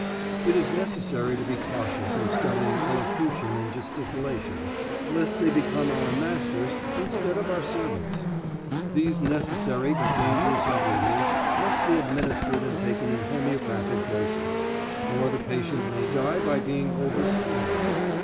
It is necessary to be cautious in studying elocution and gesticulation, lest they become our masters instead of our servants. These necessary but dangerous ingredients must be administered and taken in homeopathic doses, or the patient may die by being over stimulated.